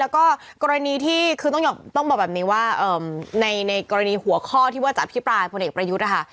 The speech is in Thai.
แล้วก็กรณีที่คือต้องบอกแบบนี้ว่าในกรณีหัวข้อที่ว่าจะอภิปรายพลเอกประยุทธ์นะคะ